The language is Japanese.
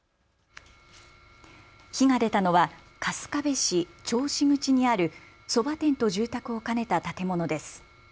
火が出たのは春日部市銚子口にあるそば店と住宅を兼ねた建物です。